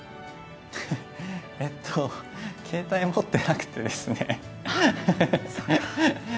えっと携帯持ってなくてですね。